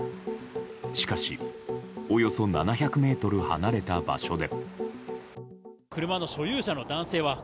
しかしおよそ７００ｍ離れた場所で。